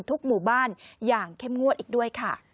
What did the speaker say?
ทุกหมูบ้านอย่างเข้มงวดอีกด้วย